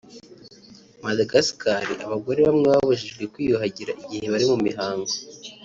Madagascar abagore bamwe babujijwe kwiyuhagira igihe bari mu mihango